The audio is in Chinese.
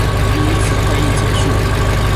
第一次会议结束。